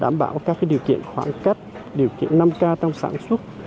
đảm bảo các điều kiện khoảng cách điều kiện năm k trong sản xuất